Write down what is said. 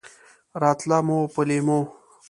راتله مو په لېمو!